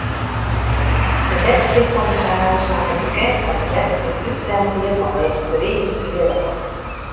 De wedstriidkommissaris makke bekend dat de wedstriid útsteld wie fanwege driigjend swier waar.